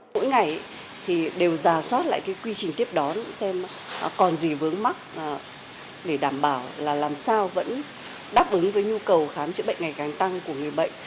mỗi ngày thì đều giả soát lại cái quy trình tiếp đón xem còn gì vướng mắt để đảm bảo là làm sao vẫn đáp ứng với nhu cầu khám chữa bệnh ngày càng tăng của người bệnh